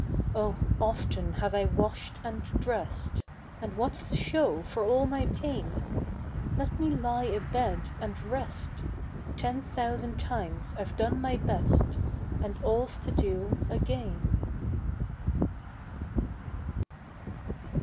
Oh often have I washed and dressed And what's to show for all my pain? Let me lie abed and rest: Ten thousand times I've done my best And all's to do again.